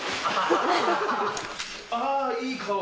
ああ、いい顔。